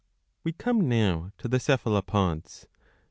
We come now to the Cephalopods.